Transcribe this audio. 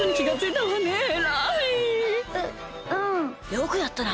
よくやったな！